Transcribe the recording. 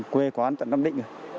quê quán tận năm định